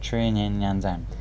truyền hình nhân dân